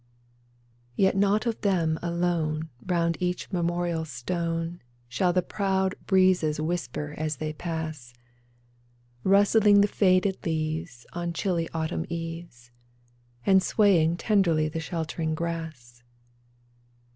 Yet not of them alone Round each memorial stone Shall the proud breezes whisper as they pass, Rustling the faded leaves On chilly autumn eves, And swaying tenderly the sheltering grass